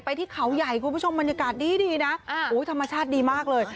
ที่เขาใหญ่คุณผู้ชมบรรยากาศดีนะธรรมชาติดีมากเลย